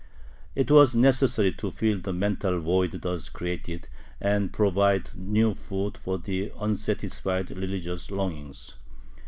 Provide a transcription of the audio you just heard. It was necessary to fill the mental void thus created, and provide new food for the unsatisfied religious longings.